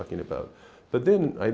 không quan trọng là